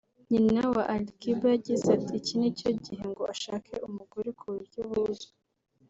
Nyina wa Ali Kiba yagize ati”Iki ni cyo gihe ngo ashake umugore ku buryo buzwi